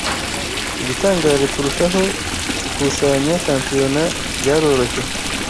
Igitangaje kurushaho gukusanya shampiyona byaroroshye